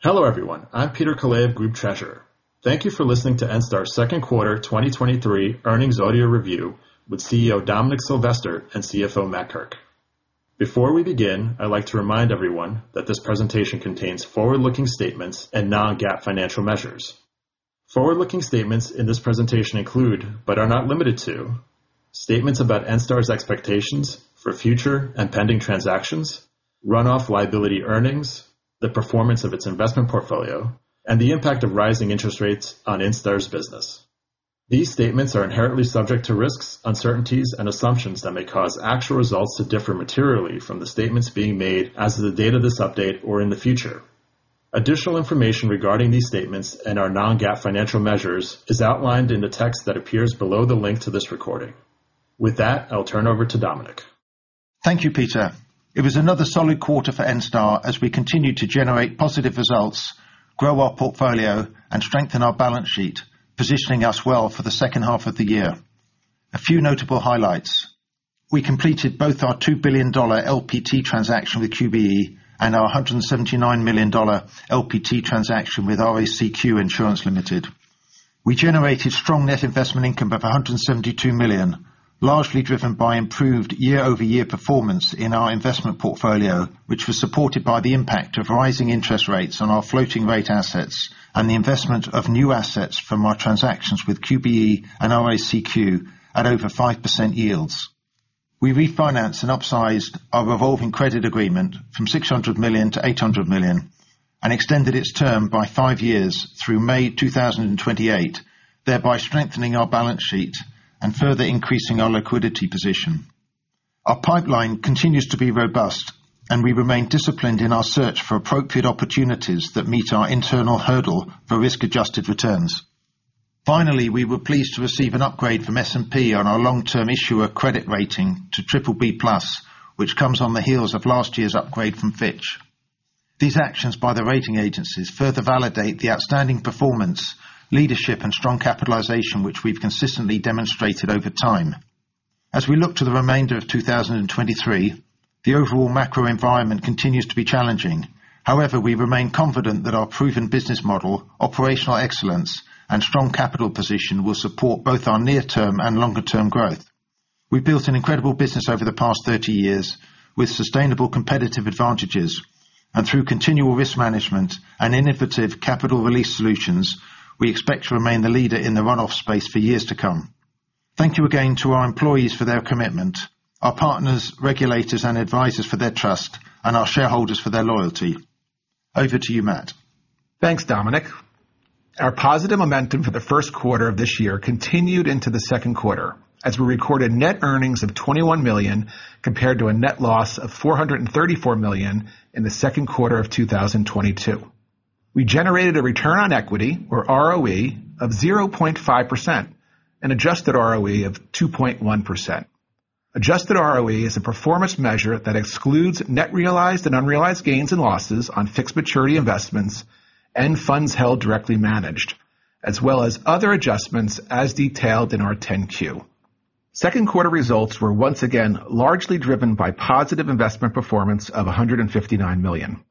Hello, everyone. I'm Peter Kalaev, Group Treasurer. Thank you for listening to Enstar's second quarter 2023 earnings audio review with CEO Dominic Silvester and CFO Matthew Kirk. Before we begin, I'd like to remind everyone that this presentation contains forward-looking statements and non-GAAP financial measures. Forward-looking statements in this presentation include, but are not limited to, statements about Enstar's expectations for future and pending transactions, run-off liability earnings, the performance of its investment portfolio, and the impact of rising interest rates on Enstar's business. These statements are inherently subject to risks, uncertainties, and assumptions that may cause actual results to differ materially from the statements being made as of the date of this update or in the future. Additional information regarding these statements and our non-GAAP financial measures is outlined in the text that appears below the link to this recording. With that, I'll turn over to Dominic. Thank you, Peter. It was another solid quarter for Enstar as we continue to generate positive results, grow our portfolio, and strengthen our balance sheet, positioning us well for the second half of the year. A few notable highlights. We completed both our $2 billion LPT transaction with QBE and our $179 million LPT transaction with RACQ Insurance Limited. We generated strong net investment income of $172 million, largely driven by improved year-over-year performance in our investment portfolio, which was supported by the impact of rising interest rates on our floating rate assets and the investment of new assets from our transactions with QBE and RACQ at over 5% yields. We refinanced and upsized our revolving credit agreement from $600 million to $800 million and extended its term by five years through May 2028, thereby strengthening our balance sheet and further increasing our liquidity position. Our pipeline continues to be robust, we remain disciplined in our search for appropriate opportunities that meet our internal hurdle for risk-adjusted returns. Finally, we were pleased to receive an upgrade from S&P on our long-term issuer credit rating to triple B plus, which comes on the heels of last year's upgrade from Fitch. These actions by the rating agencies further validate the outstanding performance, leadership, and strong capitalization, which we've consistently demonstrated over time. As we look to the remainder of 2023, the overall macro environment continues to be challenging. However, we remain confident that our proven business model, operational excellence, and strong capital position will support both our near-term and longer-term growth. We built an incredible business over the past 30 years with sustainable competitive advantages, and through continual risk management and innovative capital release solutions, we expect to remain the leader in the run-off space for years to come. Thank you again to our employees for their commitment, our partners, regulators, and advisors for their trust, and our shareholders for their loyalty. Over to you, Matt. Thanks, Dominic. Our positive momentum for the first quarter of this year continued into the second quarter as we recorded net earnings of $21 million, compared to a net loss of $434 million in the second quarter of 2022. We generated a return on equity, or ROE, of 0.5% and Adjusted ROE of 2.1%. Adjusted ROE is a performance measure that excludes net realized and unrealized gains and losses on fixed maturity investments and funds held directly managed, as well as other adjustments as detailed in our 10-Q. Second quarter results were once again largely driven by positive investment performance of $159 million.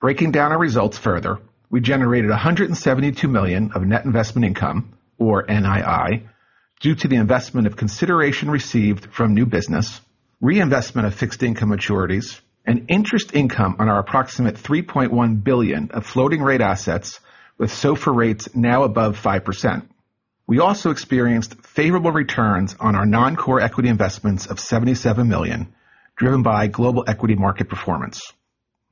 Breaking down our results further, we generated $172 million of net investment income, or NII, due to the investment of consideration received from new business, reinvestment of fixed income maturities, and interest income on our approximate $3.1 billion of floating rate assets with SOFR rates now above 5%. We also experienced favorable returns on our non-core equity investments of $77 million, driven by global equity market performance.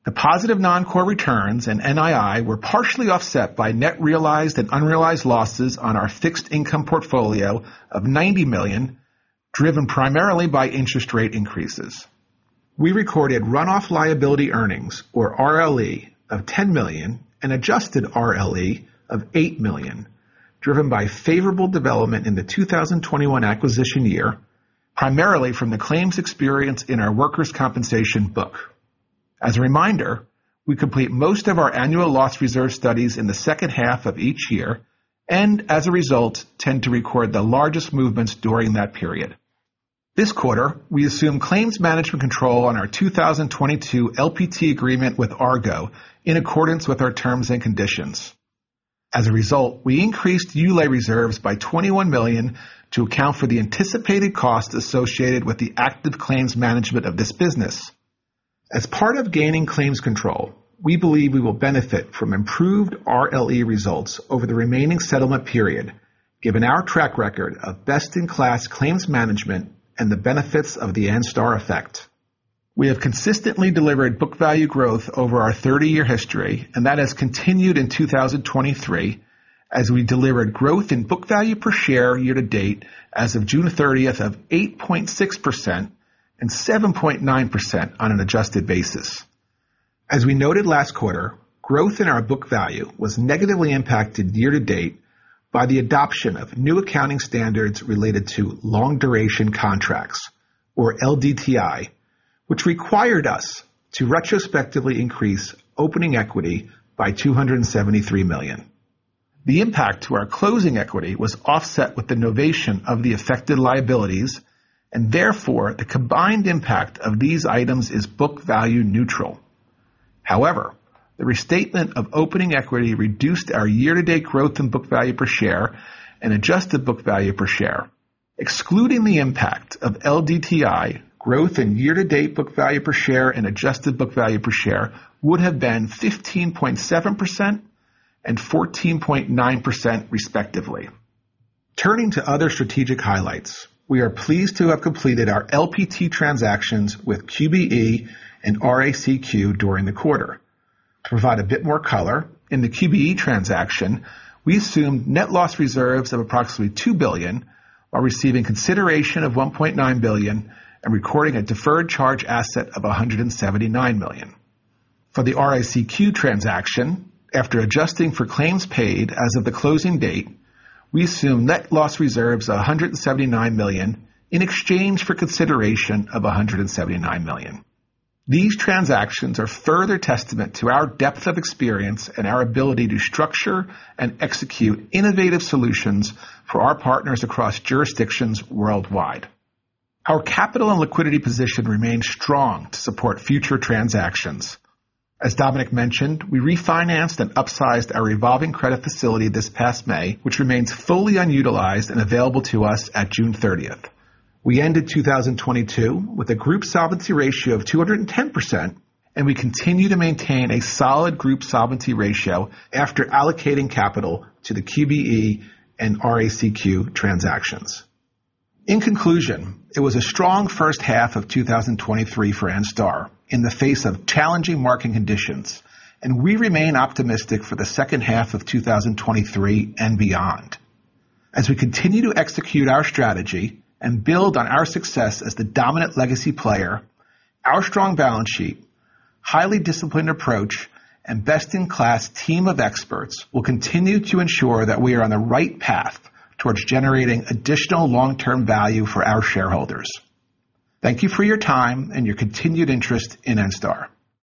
The positive non-core returns and NII were partially offset by net realized and unrealized losses on our fixed income portfolio of $90 million, driven primarily by interest rate increases. We recorded run-off liability earnings, or RLE, of $10 million and Adjusted RLE of $8 million, driven by favorable development in the 2021 acquisition year, primarily from the claims experience in our workers' compensation book. As a reminder, we complete most of our annual loss reserve studies in the second half of each year, and as a result, tend to record the largest movements during that period. This quarter, we assume claims management control on our 2022 LPT agreement with Argo in accordance with our terms and conditions. As a result, we increased ULA reserves by $21 million to account for the anticipated costs associated with the active claims management of this business. As part of gaining claims control, we believe we will benefit from improved RLE results over the remaining settlement period, given our track record of best-in-class claims management and the benefits of the Enstar effect. We have consistently delivered book value growth over our 30-year history, and that has continued in 2023 as we delivered growth in book value per share year to date as of June 30th of 8.6% and 7.9% on an adjusted basis. As we noted last quarter, growth in our book value was negatively impacted year to date by the adoption of new accounting standards related to long duration contracts, or LDTI, which required us to retrospectively increase opening equity by $273 million. The impact to our closing equity was offset with the novation of the affected liabilities, and therefore, the combined impact of these items is book value neutral. The restatement of opening equity reduced our year-to-date growth in book value per share and adjusted book value per share. Excluding the impact of LDTI, growth in year-to-date book value per share and adjusted book value per share would have been 15.7% and 14.9%, respectively. Turning to other strategic highlights, we are pleased to have completed our LPT transactions with QBE and RACQ during the quarter. To provide a bit more color, in the QBE transaction, we assumed net loss reserves of approximately $2 billion, while receiving consideration of $1.9 billion and recording a deferred charge asset of $179 million. For the RACQ transaction, after adjusting for claims paid as of the closing date, we assumed net loss reserves of $179 million in exchange for consideration of $179 million. These transactions are further testament to our depth of experience and our ability to structure and execute innovative solutions for our partners across jurisdictions worldwide. Our capital and liquidity position remains strong to support future transactions. As Dominic Silvester mentioned, we refinanced and upsized our revolving credit facility this past May, which remains fully unutilized and available to us at June 30th. We ended 2022 with a group solvency ratio of 210%, and we continue to maintain a solid group solvency ratio after allocating capital to the QBE and RACQ transactions. In conclusion, it was a strong first half of 2023 for Enstar in the face of challenging market conditions, and we remain optimistic for the second half of 2023 and beyond. As we continue to execute our strategy and build on our success as the dominant legacy player, our strong balance sheet, highly disciplined approach, and best-in-class team of experts will continue to ensure that we are on the right path towards generating additional long-term value for our shareholders. Thank you for your time and your continued interest in Enstar.